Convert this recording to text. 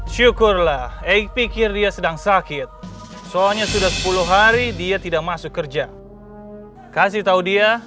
syukurlah eik pikir dia sedang sakit soalnya sudah sepuluh hari dia tidak masuk kerja kasih tahu dia